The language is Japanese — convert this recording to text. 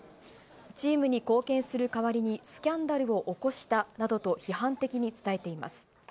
チームに貢献する代わりにスキャンダルを起こしたなどと批判的に伝えています。